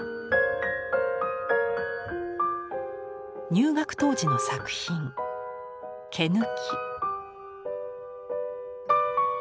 入学当時の作品「毛抜」。